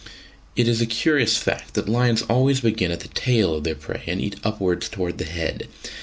It is a curious fact that lions always begin at the tail of their prey and eat upwards towards the head.